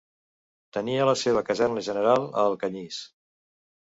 Tenia la seva caserna general a Alcanyís.